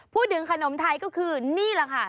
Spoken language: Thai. พูดถึงขนมไทยก็คือนี่แหละค่ะ